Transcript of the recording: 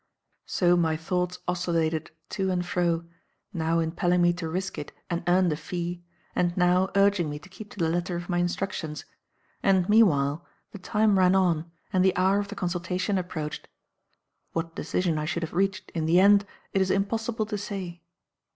So my thoughts oscillated, to and fro, now impelling me to risk it and earn the fee, and now urging me to keep to the letter of my instructions; and, meanwhile, the time ran on and the hour of the consultation approached What decision I should have reached, in the end, it is impossible to say.